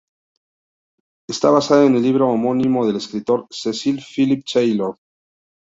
Está basada en el libro homónimo del escritor Cecil Philip Taylor.